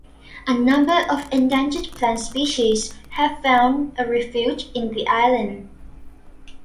A number of endangered plant species have found a refuge in the island.